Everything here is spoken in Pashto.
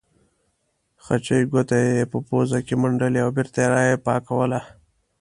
خچۍ ګوته یې په پوزه کې منډلې او بېرته یې پاکوله.